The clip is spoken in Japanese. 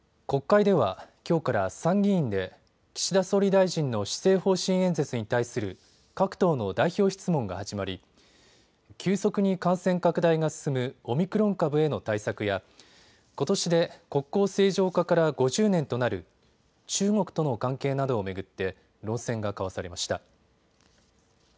国会ではきょうから参議院で岸田総理大臣の施政方針演説に対する各党の代表質問が始まり急速に感染拡大が進むオミクロン株への対策やことしで国交正常化から５０年となる中国との関係などを巡って論戦が交わされました。